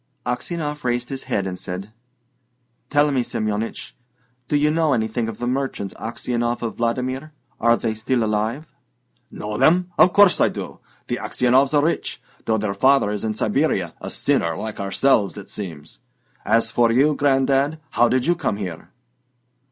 Aksionov raised his head and said: "Tell me, Semyonich, do you know anything of the merchants Aksionov of Vladimir? Are they still alive?" "Know them? Of course I do. The Aksionovs are rich, though their father is in Siberia: a sinner like ourselves, it seems! As for you, Gran'dad, how did you come here?"